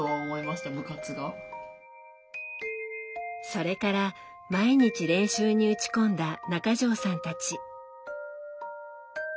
それから毎日練習に打ち込んだ中条さんたち。